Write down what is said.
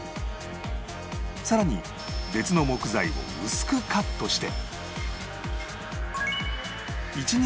さらに別の木材を薄くカットして